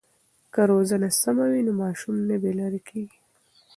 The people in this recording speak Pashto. که روزنه سمه وي نو ماشوم نه بې لارې کېږي.